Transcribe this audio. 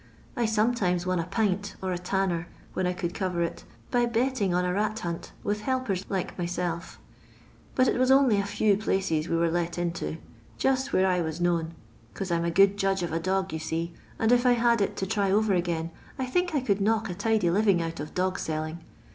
I sometimes won a pint, or a tanner, when I could cover it, by betting on a rat hunt with helpers like myself — but it was only a few places we were let into, just where I was known — 'cause I 'm a good judge of a dog, you see, and if I had it to try over again, I think I could knock a tidy living out of dog selling.